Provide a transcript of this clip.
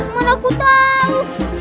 mana aku tahu